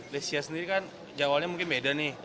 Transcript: legia sendiri kan jawabannya mungkin beda nih